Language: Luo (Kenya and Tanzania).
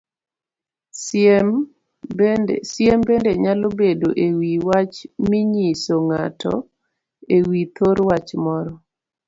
Siem bende nyalo bedo ewii wach minyiso ng'ato ewi thor wach moro